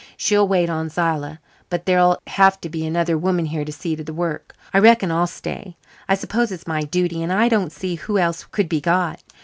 She'll wait on Zillah, but there'll have to be another woman here to see to the work. I reckon I'll stay. I suppose it's my duty and I don't see who else could be got.